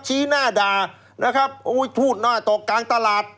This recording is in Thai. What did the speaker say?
ชี้หน้าด่านะครับโอ้ยพูดหน้าตกกลางตลาด